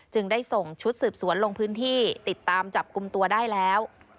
ได้ส่งชุดสืบสวนลงพื้นที่ติดตามจับกลุ่มตัวได้แล้ว